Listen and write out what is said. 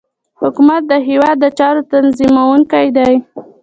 حکومت د هیواد د چارو تنظیمونکی دی